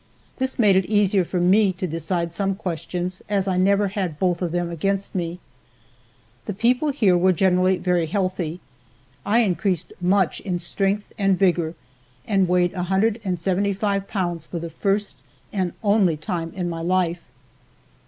This made it easier for me to decide some questions, as I never had both of them against me. The people here were generally very healthy. I increased much in strength and vigor, and weighed 175 pounds for the first and only time in my life.